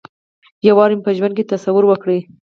یو وار مې په ژوند کې تصور وکړ.